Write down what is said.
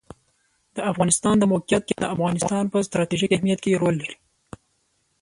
د افغانستان د موقعیت د افغانستان په ستراتیژیک اهمیت کې رول لري.